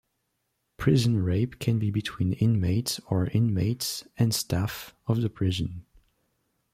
Prison rape can be between inmates or inmates and staff of the prison.